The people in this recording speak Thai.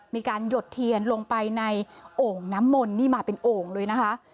หยดเทียนลงไปในโอ่งน้ำมนต์นี่มาเป็นโอ่งเลยนะคะ